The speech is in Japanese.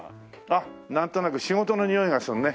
あっなんとなく仕事のにおいがするね。